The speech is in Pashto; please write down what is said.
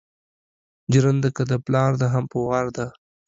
جرنده که دا پلار ده هم په وار ده